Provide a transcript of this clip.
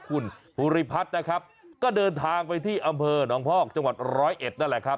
คุณภูริพัฒน์นะครับก็เดินทางไปที่อำเภอหนองพอกจังหวัดร้อยเอ็ดนั่นแหละครับ